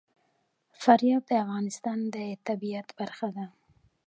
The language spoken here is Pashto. فاریاب د افغانستان د طبیعت برخه ده.